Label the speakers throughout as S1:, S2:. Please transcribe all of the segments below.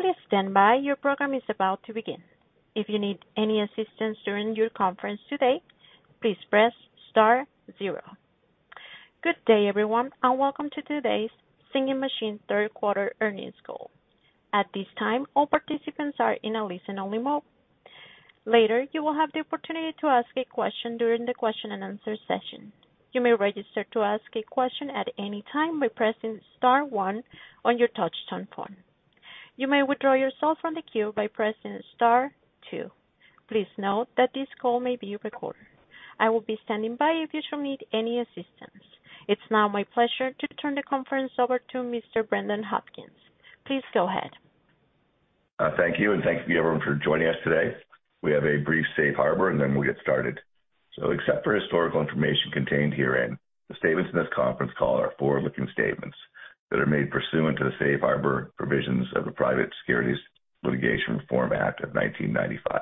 S1: Please stand by. Your program is about to begin. If you need any assistance during your conference today, please press star zero. Good day, everyone. Welcome to today's Singing Machine third quarter earnings call. At this time, all participants are in a listen only mode. Later, you will have the opportunity to ask a question during the question and answer session. You may register to ask a question at any time by pressing star one on your touchtone phone. You may withdraw yourself from the queue by pressing star two. Please note that this call may be recorded. I will be standing by if you should need any assistance. It's now my pleasure to turn the conference over to Mr. Brendan Hopkins. Please go ahead.
S2: Thank you, and thank you everyone for joining us today. We have a brief safe harbor, and then we'll get started. Except for historical information contained herein, the statements in this conference call are forward-looking statements that are made pursuant to the safe harbor provisions of the Private Securities Litigation Reform Act of 1995.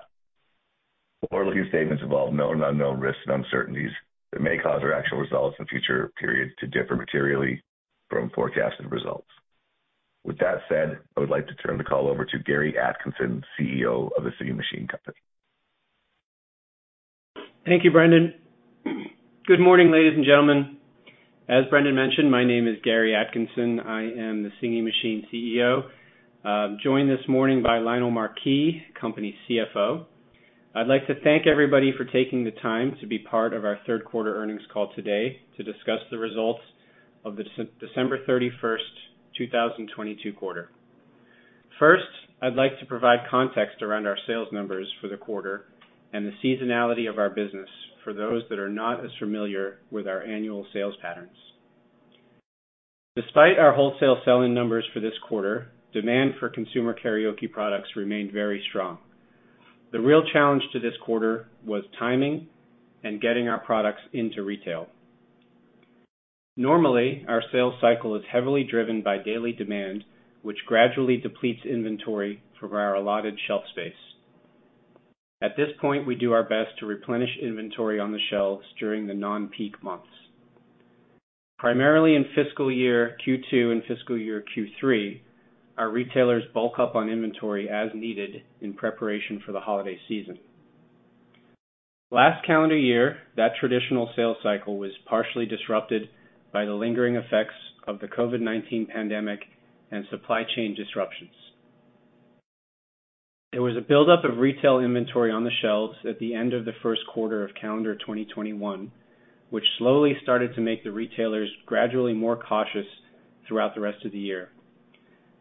S2: Forward-looking statements involve known and unknown risks and uncertainties that may cause our actual results in future periods to differ materially from forecasted results. With that said, I would like to turn the call over to Gary Atkinson, CEO of the Singing Machine Company.
S3: Thank you, Brendan. Good morning, ladies and gentlemen. As Brendan mentioned, my name is Gary Atkinson. I am the Singing Machine CEO. I'm joined this morning by Lionel Marquis, Company CFO. I'd like to thank everybody for taking the time to be part of our third quarter earnings call today to discuss the results of the December 31st, 2022 quarter. First, I'd like to provide context around our sales numbers for the quarter and the seasonality of our business for those that are not as familiar with our annual sales patterns. Despite our wholesale sell-in numbers for this quarter, demand for consumer karaoke products remained very strong. The real challenge to this quarter was timing and getting our products into retail. Normally, our sales cycle is heavily driven by daily demand, which gradually depletes inventory from our allotted shelf space. At this point, we do our best to replenish inventory on the shelves during the non-peak months. Primarily in fiscal year Q2 and fiscal year Q3, our retailers bulk up on inventory as needed in preparation for the holiday season. Last calendar year, that traditional sales cycle was partially disrupted by the lingering effects of the COVID-19 pandemic and supply chain disruptions. There was a buildup of retail inventory on the shelves at the end of the first quarter of calendar 2021, which slowly started to make the retailers gradually more cautious throughout the rest of the year.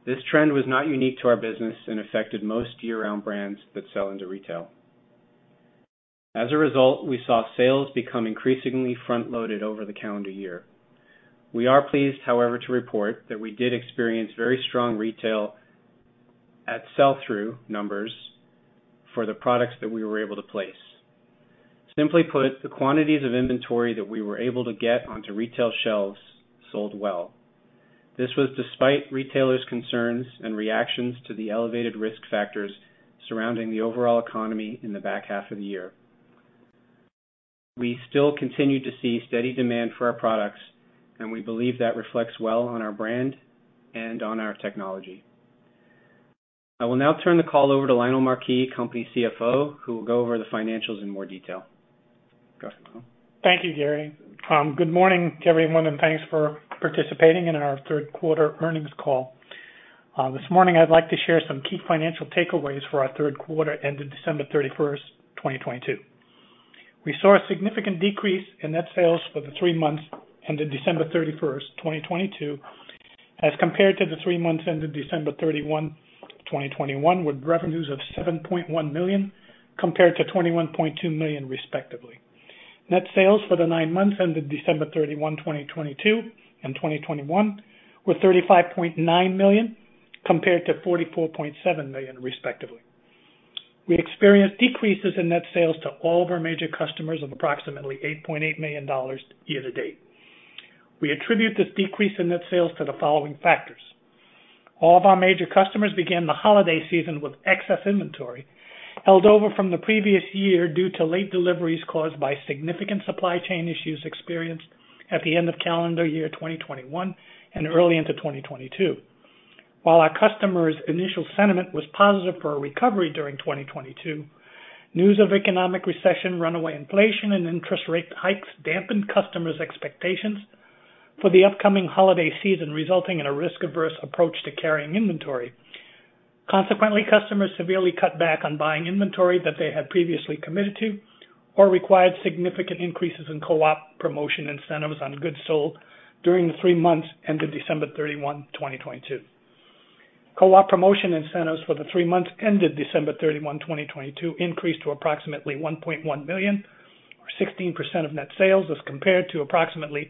S3: This trend was not unique to our business and affected most year-round brands that sell into retail. As a result, we saw sales become increasingly front-loaded over the calendar year. We are pleased, however, to report that we did experience very strong retail at sell-through numbers for the products that we were able to place. Simply put, the quantities of inventory that we were able to get onto retail shelves sold well. This was despite retailers' concerns and reactions to the elevated risk factors surrounding the overall economy in the back half of the year. We still continue to see steady demand for our products, and we believe that reflects well on our brand and on our technology. I will now turn the call over to Lionel Marquis, CFO, who will go over the financials in more detail. Go ahead, Lionel.
S4: Thank you, Gary. Good morning to everyone, and thanks for participating in our third quarter earnings call. This morning I'd like to share some key financial takeaways for our third quarter ended December 31st, 2022. We saw a significant decrease in net sales for the three months ended December 31st, 2022, as compared to the three months ended December 31, 2021, with revenues of $7.1 million compared to $21.2 million, respectively. Net sales for the nine months ended December 31, 2022 and 2021 were $35.9 million compared to $44.7 million, respectively. We experienced decreases in net sales to all of our major customers of approximately $8.8 million year to date. We attribute this decrease in net sales to the following factors. All of our major customers began the holiday season with excess inventory held over from the previous year due to late deliveries caused by significant supply chain issues experienced at the end of calendar year 2021 and early into 2022. While our customers' initial sentiment was positive for a recovery during 2022, news of economic recession, runaway inflation, and interest rate hikes dampened customers' expectations for the upcoming holiday season, resulting in a risk-averse approach to carrying inventory. Consequently, customers severely cut back on buying inventory that they had previously committed to or required significant increases in co-op promotion incentives on goods sold during the three months ended December 31, 2022. Co-op promotion incentives for the three months ended December 31, 2022 increased to approximately $1.1 million or 16% of net sales as compared to approximately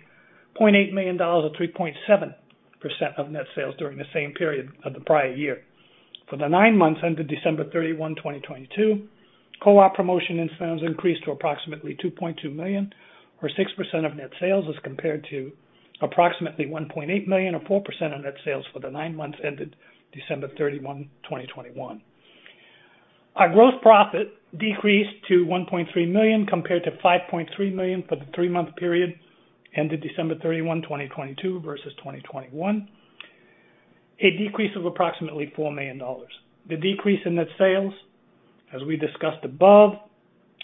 S4: $0.8 million or 3.7% of net sales during the same period of the prior year. For the nine months ended December 31, 2022, co-op promotion incentives increased to approximately $2.2 million or 6% of net sales as compared to approximately $1.8 million or 4% of net sales for the nine months ended December 31, 2021. Our gross profit decreased to $1.3 million compared to $5.3 million for the three-month period ended December 31, 2022 versus 2021. A decrease of approximately $4 million. The decrease in net sales, as we discussed above,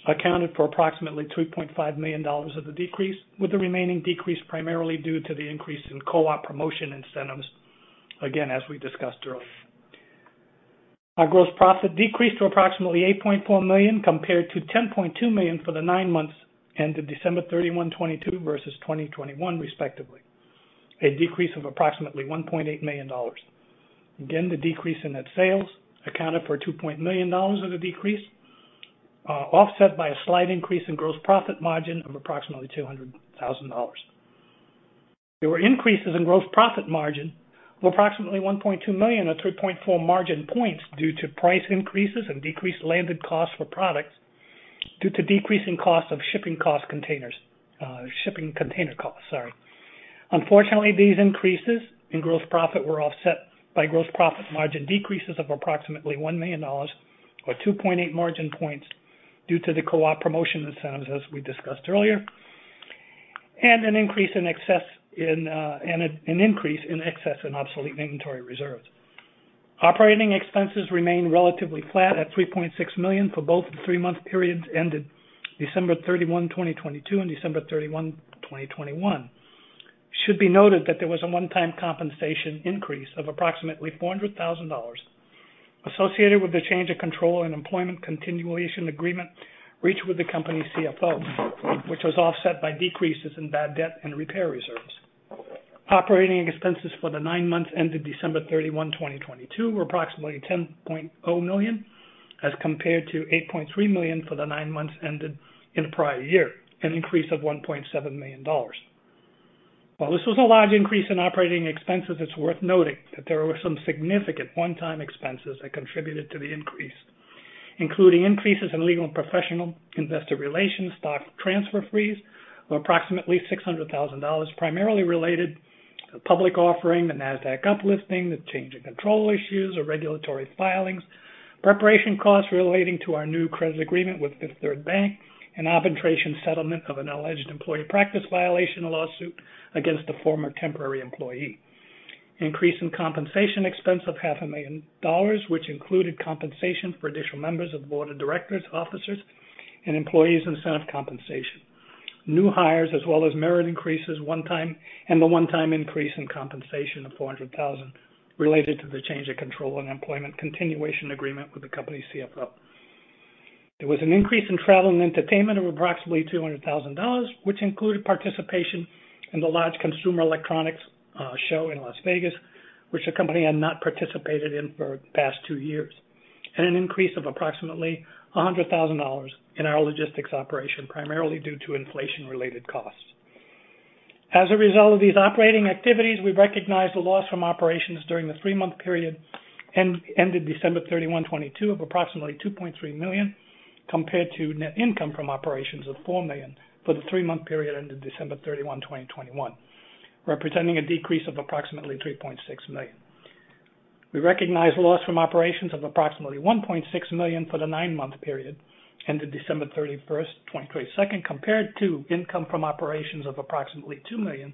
S4: accounted for approximately $2.5 million of the decrease, with the remaining decrease primarily due to the increase in co-op promotion incentives, again, as we discussed earlier. Our gross profit decreased to approximately $8.4 million compared to $10.2 million for the nine months ended December 31, 2022 versus 2021, respectively. A decrease of approximately $1.8 million. The decrease in net sales accounted for $2.0 million of the decrease, offset by a slight increase in gross profit margin of approximately $200,000. There were increases in gross profit margin of approximately $1.2 million, or 3.4 margin points due to price increases and decreased landed costs for products due to decreasing costs of shipping costs containers. shipping container costs, sorry. Unfortunately, these increases in gross profit were offset by gross profit margin decreases of approximately $1 million or 2.8 margin points due to the co-op promotion incentives, as we discussed earlier, and an increase in excess and an increase in excess and obsolete inventory reserves. Operating expenses remain relatively flat at $3.6 million for both the three-month periods ended December 31, 2022 and December 31, 2021. It should be noted that there was a one-time compensation increase of approximately $400,000 associated with the change of control and employment continuation agreement reached with the company CFO, which was offset by decreases in bad debt and repair reserves. Operating expenses for the nine months ended December 31, 2022 were approximately $10.0 million as compared to $8.3 million for the nine months ended in the prior year, an increase of $1.7 million. While this was a large increase in operating expenses, it's worth noting that there were some significant one-time expenses that contributed to the increase, including increases in legal and professional investor relations, stock transfer fees of approximately $600,000, primarily related to public offering, the NASDAQ uplisting, the change in control issues or regulatory filings, preparation costs relating to our new credit agreement with Fifth Third Bank, an arbitration settlement of an alleged employee practice violation lawsuit against a former temporary employee. Increase in compensation expense of half a million dollars, which included compensation for additional members of the board of directors, officers and employees incentive compensation. New hires as well as merit increases one time, and the one-time increase in compensation of $400,000 related to the change of control and employment continuation agreement with the company CFO. There was an increase in travel and entertainment of approximately $200,000, which included participation in the large Consumer Electronics Show in Las Vegas, which the company had not participated in for the past two years, and an increase of approximately $100,000 in our logistics operation, primarily due to inflation-related costs. As a result of these operating activities, we recognized a loss from operations during the three-month period ended December 31, 2022 of approximately $2.3 million compared to net income from operations of $4 million for the three-month period ended December 31, 2021, representing a decrease of approximately $3.6 million. We recognized a loss from operations of approximately $1.6 million for the nine-month period ended December 31st, 2022, compared to income from operations of approximately $2 million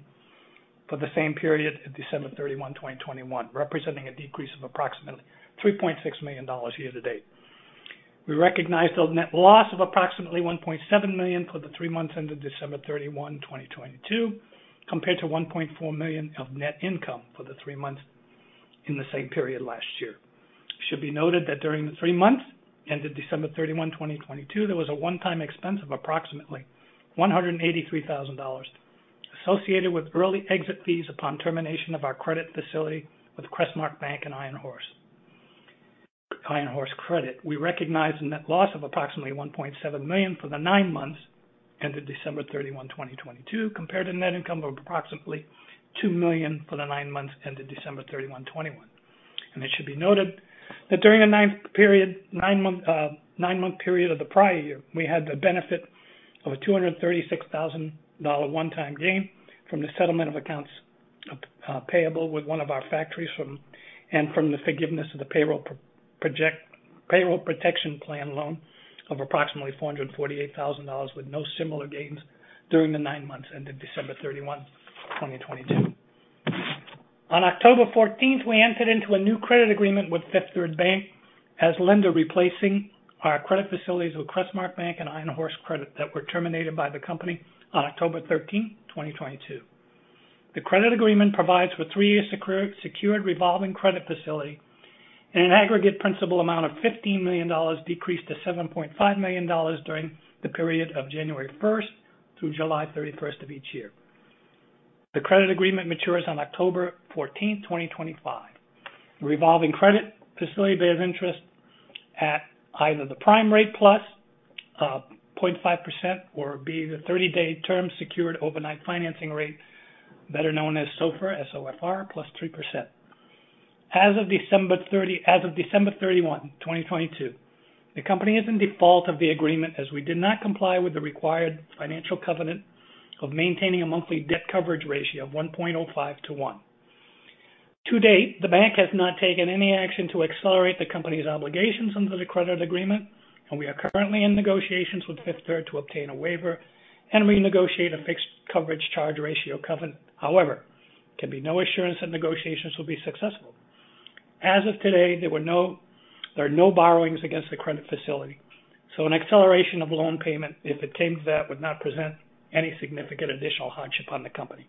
S4: for the same period ended December 31, 2021, representing a decrease of approximately $3.6 million year-to-date. We recognized a net loss of approximately $1.7 million for the three months ended December 31, 2022, compared to $1.4 million of net income for the three months in the same period last year. It should be noted that during the three months ended December 31, 2022, there was a one-time expense of approximately $183,000 associated with early exit fees upon termination of our credit facility with Crestmark Bank and Iron Horse. Iron Horse Credit, we recognized a net loss of approximately $1.7 million for the nine months ended December 31, 2022, compared to net income of approximately $2 million for the nine months ended December 31, 2021. It should be noted that during the nine-month period of the prior year, we had the benefit of a $236,000 one-time gain from the settlement of accounts payable with one of our factories and from the forgiveness of the Paycheck Protection Program loan of approximately $448,000 with no similar gains during the nine months ended December 31, 2022. On October 14th, we entered into a new credit agreement with Fifth Third Bank as lender, replacing our credit facilities with Crestmark Bank and Iron Horse Credit that were terminated by the company on October 13th, 2022. The credit agreement provides for three-year secured revolving credit facility and an aggregate principal amount of $15 million decreased to $7.5 million during the period of January 1st through July 31st of each year. The credit agreement matures on October 14th, 2025. The revolving credit facility bears interest at either the prime rate plus 0.5% or be the 30-day term secured overnight financing rate, better known as SOFR, S-O-F-R, plus 3%. As of December 31, 2022, the company is in default of the agreement as we did not comply with the required financial covenant of maintaining a monthly debt coverage ratio of 1.05 to one. To date, the bank has not taken any action to accelerate the company's obligations under the credit agreement, and we are currently in negotiations with 5/3 to obtain a waiver and renegotiate a fixed coverage charge ratio covenant. However, there can be no assurance that negotiations will be successful. As of today, there are no borrowings against the credit facility, so an acceleration of loan payment, if it came to that, would not present any significant additional hardship on the company.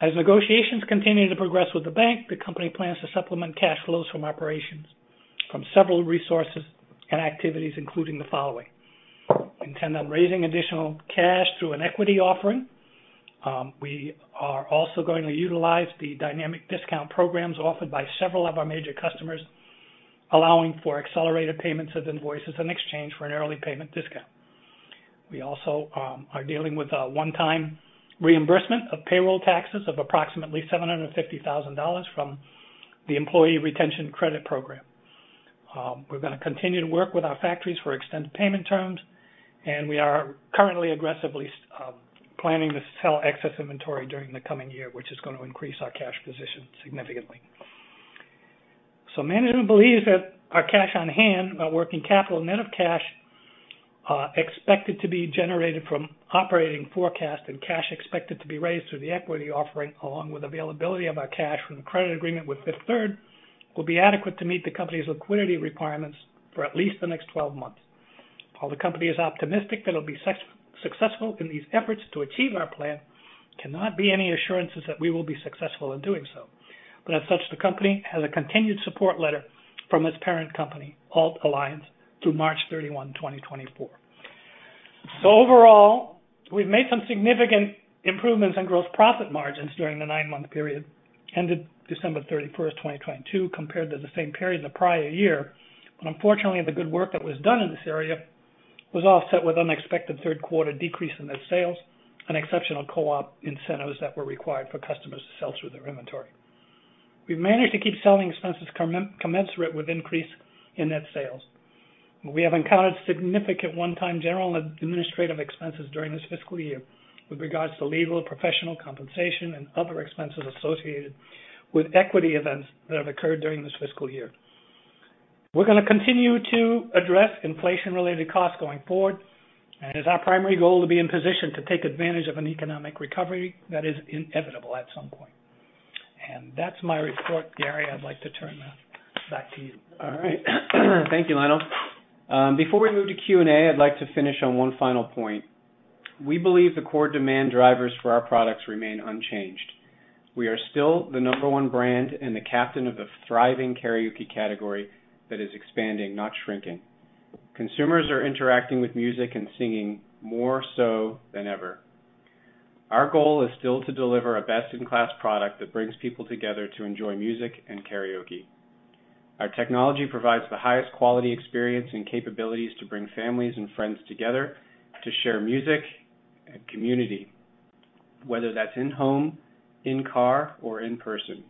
S4: As negotiations continue to progress with the bank, the company plans to supplement cash flows from operations from several resources and activities, including the following. We intend on raising additional cash through an equity offering. We are also going to utilize the dynamic discount programs offered by several of our major customers, allowing for accelerated payments of invoices in exchange for an early payment discount. We also are dealing with a one-time reimbursement of payroll taxes of approximately $750,000 from the Employee Retention Credit program. We're gonna continue to work with our factories for extended payment terms, and we are currently aggressively planning to sell excess inventory during the coming year, which is gonna increase our cash position significantly. Management believes that our cash on hand, our working capital net of cash, expected to be generated from operating forecasts and cash expected to be raised through the equity offering along with availability of our cash from the credit agreement with 5/3, will be adequate to meet the company's liquidity requirements for at least the next 12 months. While the company is optimistic that it'll be successful in these efforts to achieve our plan, cannot be any assurances that we will be successful in doing so. As such, the company has a continued support letter from its parent company, Alliance, through March 31, 2024. Overall, we've made some significant improvements in gross profit margins during the nine-month period ended December 31st, 2022, compared to the same period the prior year. Unfortunately, the good work that was done in this area was offset with unexpected third quarter decrease in net sales and exceptional co-op incentives that were required for customers to sell through their inventory. We've managed to keep selling expenses commensurate with increase in net sales. We have encountered significant one-time general administrative expenses during this fiscal year with regards to legal, professional compensation, and other expenses associated with equity events that have occurred during this fiscal year. We're gonna continue to address inflation-related costs going forward, and it is our primary goal to be in position to take advantage of an economic recovery that is inevitable at some point. That's my report, Gary. I'd like to turn it back to you.
S3: All right. Thank you, Lionel. Before we move to Q&A, I'd like to finish on 1 final point. We believe the core demand drivers for our products remain unchanged. We are still the number one brand and the captain of a thriving karaoke category that is expanding, not shrinking. Consumers are interacting with music and singing more so than ever. Our goal is still to deliver a best-in-class product that brings people together to enjoy music and karaoke. Our technology provides the highest quality experience and capabilities to bring families and friends together to share music and community, whether that's in home, in car or in person.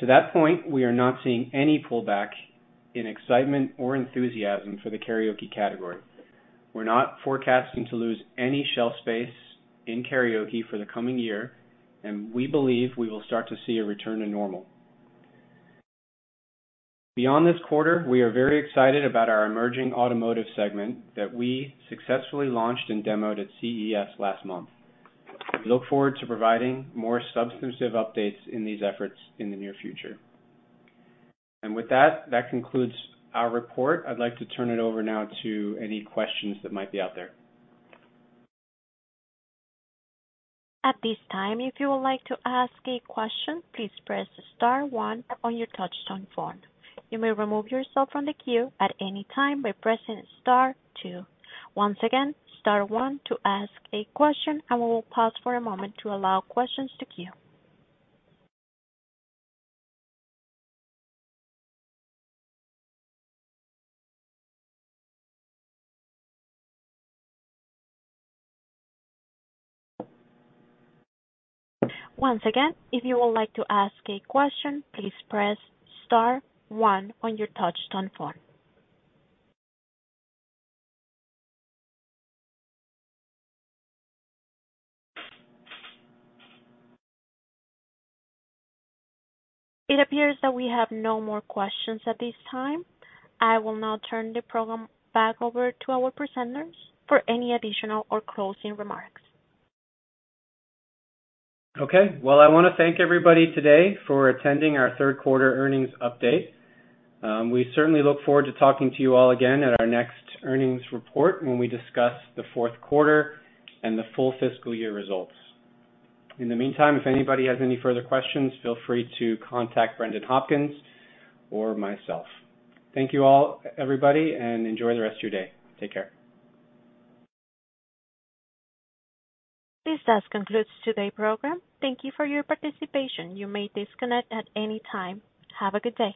S3: To that point, we are not seeing any pullback in excitement or enthusiasm for the karaoke category. We're not forecasting to lose any shelf space in karaoke for the coming year, and we believe we will start to see a return to normal. Beyond this quarter, we are very excited about our emerging automotive segment that we successfully launched and demoed at CES last month. We look forward to providing more substantive updates in these efforts in the near future. With that concludes our report. I'd like to turn it over now to any questions that might be out there.
S1: At this time, if you would like to ask a question, please press star one on your touch tone phone. You may remove yourself from the queue at any time by pressing star two. Once again, star one to ask a question, and we will pause for a moment to allow questions to queue. Once again, if you would like to ask a question, please press star one on your touch tone phone. It appears that we have no more questions at this time. I will now turn the program back over to our presenters for any additional or closing remarks.
S3: Well, I wanna thank everybody today for attending our 3rd quarter earnings update. We certainly look forward to talking to you all again at our next earnings report when we discuss the fourth quarter and the full fiscal year results. In the meantime, if anybody has any further questions, feel free to contact Brendan Hopkins or myself. Thank you all, everybody, and enjoy the rest of your day. Take care.
S1: This does conclude today's program. Thank you for your participation. You may disconnect at any time. Have a good day.